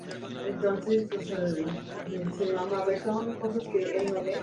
Esta novela está considerada por algunos críticos como "el "Emilio" español".